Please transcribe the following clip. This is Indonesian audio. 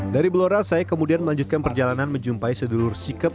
dari belora saya kemudian melanjutkan perjalanan mencari sedulur sedulur sikap